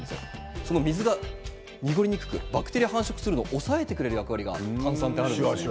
その水が濁りにくくなるバクテリアが繁殖するのを抑えてくれるのが炭酸にはある。